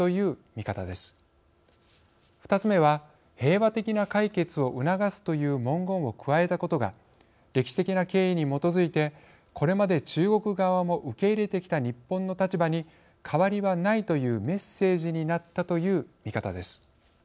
２つ目は「平和的な解決を促す」という文言を加えたことが歴史的な経緯に基づいてこれまで中国側も受け入れてきた日本の立場に変わりはないというメッセージになったという見方です。